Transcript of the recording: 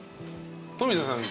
富田さん。